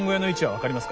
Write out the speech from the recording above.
分かります。